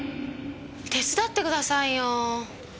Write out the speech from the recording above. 手伝ってくださいよ。